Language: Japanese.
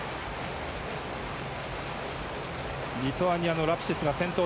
リトアニアのラプシスが先頭。